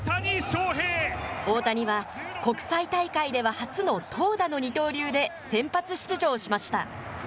大谷は、国際大会では初の、投打の二刀流で先発出場しました。